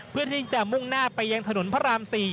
เพื่อที่จะมุ่งหน้าไปยังถนนพระราม๔